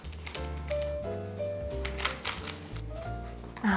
ああ